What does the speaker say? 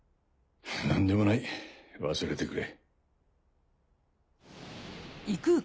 何でもない忘れてくれ。